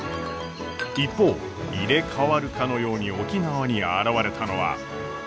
一方入れ代わるかのように沖縄に現れたのは。